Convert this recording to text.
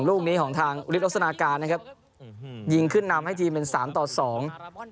ลูกนี้ของทางฤทธนาการนะครับอืมยิงขึ้นนำให้ทีมเป็นสามต่อสอง